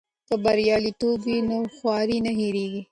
که بریالیتوب وي نو خواري نه هېریږي.